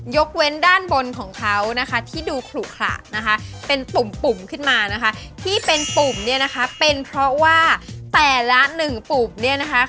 ยกเว้นด้านบนของเขานะคะที่ดูขลุขระนะคะเป็นปุ่มปุ่มขึ้นมานะคะที่เป็นปุ่มเนี่ยนะคะเป็นเพราะว่าแต่ละหนึ่งปุ่มเนี่ยนะคะ